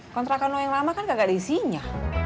kontrakan lo yang lama kan kagak diisinya